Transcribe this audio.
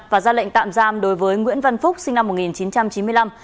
và ra lệnh tạm giam đối với nguyễn văn phúc sinh năm một nghìn chín trăm chín mươi năm